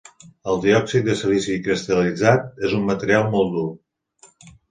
El diòxid de silici cristal·litzat és un material molt dur.